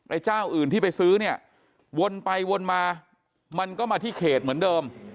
เจ้าอื่นที่ไปซื้อเนี่ยวนไปวนมามันก็มาที่เขตเหมือนเดิม